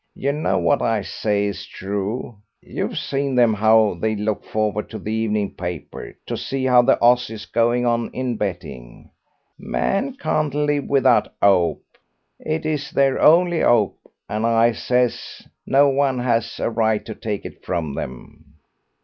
You know what I say is true; you've seen them, how they look forward to the evening paper to see how the 'oss is going on in betting. Man can't live without hope. It is their only hope, and I says no one has a right to take it from them."